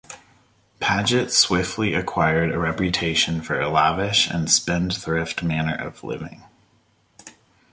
Paget swiftly acquired a reputation for a lavish and spendthrift manner of living.